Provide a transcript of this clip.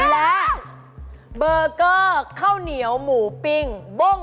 และเบอร์เกอร์ข้าวเหนียวหมูปิ้งบ้ง